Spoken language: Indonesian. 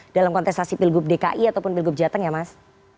dalam kontestasi pilgub dki ataupun pilgub jateng ya mas